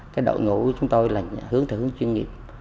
cái đội ngũ của chúng tôi là hướng thử chuyên nghiệp